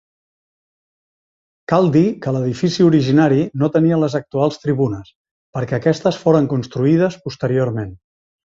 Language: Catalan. Cal dir que l'edifici originari no tenia les actuals tribunes, perquè aquestes foren construïdes posteriorment.